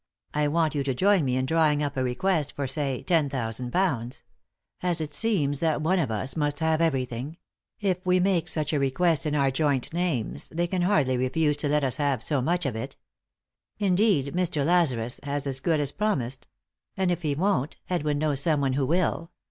I want you to join me in drawing up a request for, say, ten thousand pounds. As it seems that one of us must have everything ; if we make such a request in our joint names they can hardly refuse to let us have so much of it Indeed, Mr. Lazarus has as good as promised ; and if he won't, Edwin knows someone who will.